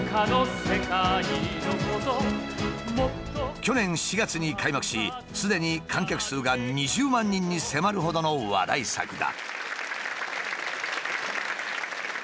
去年４月に開幕しすでに観客数が２０万人に迫るほどの話題作だ。